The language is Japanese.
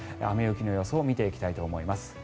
雨、雪の予想を見ていきたいと思います。